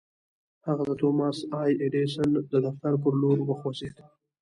هغه د توماس اې ايډېسن د دفتر پر لور وخوځېد.